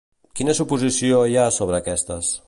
Quina suposició hi ha sobre aquestes?